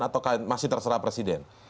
atau masih terserah presiden